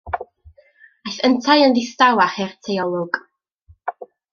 Aeth yntau yn ddistaw a hurt ei olwg.